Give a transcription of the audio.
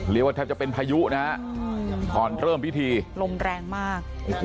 เรียกว่าแทบจะเป็นพายุนะฮะก่อนเริ่มพิธีลมแรงมาก